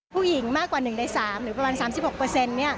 ผู้หญิงมากกว่า๑ใน๓หรือประมาณ๓๖